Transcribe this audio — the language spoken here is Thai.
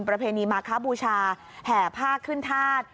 ประเพณีมะคบุชาแห่พากขึ้นทาส